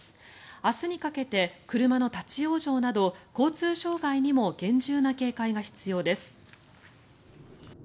明日にかけて車の立ち往生など交通障害にも厳重な警戒が必要です。